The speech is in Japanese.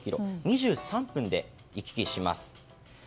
２３分で行き来します。